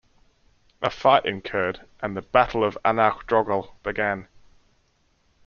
A fight incurred and the Battle of Annaghdroghal began.